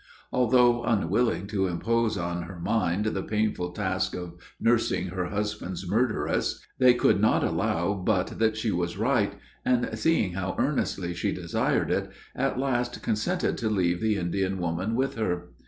Although unwilling to impose on her mind the painful task of nursing her husband's murderess, they could not allow but that she was right; and seeing how earnestly she desired it, at last consented to leave the Indian woman with her.